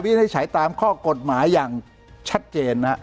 วิจัยตามข้อกฎหมายังชัดเจนนะฮะ